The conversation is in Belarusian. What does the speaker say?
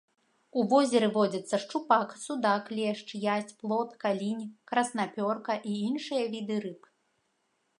У возеры водзяцца шчупак, судак, лешч, язь, плотка, лінь, краснапёрка і іншыя віды рыб.